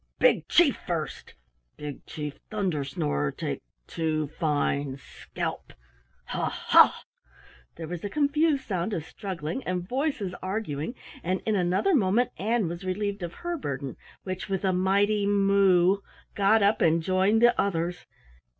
Big Chief first! Big Chief Thunder snorer take two fine scalp ha! ha!" There was a confused sound of struggling and voices arguing, and in another moment Ann was relieved of her burden which, with a mighty moo, got up and joined the others.